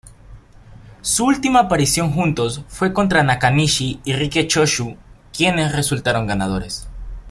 Su última aparición juntos fue contra Nakanishi y Riki Choshu, quienes resultaron ganadores.